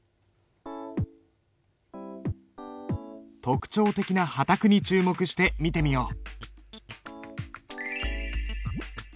特徴的な波磔に注目して見てみよう。